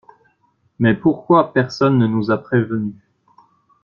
Mais pourquoi personne ne nous a prévenus?